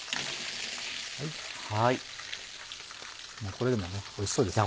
これでもおいしそうですね。